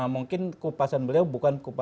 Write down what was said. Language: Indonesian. mungkin kupasan beliau bukan